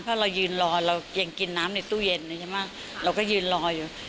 ถ้าเรายืนรอเรายังกินน้ำในตู้เย็นใช่ไหมเราก็ยืนรออยู่